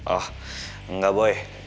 oh enggak boy